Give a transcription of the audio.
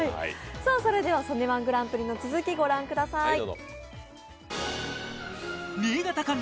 それでは、「曽根−１グランプリ」の続き、ご覧ください。